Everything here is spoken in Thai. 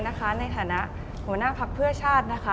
อเรนนี่หายในฐานะหัวหน้าพักเพื่อชาติ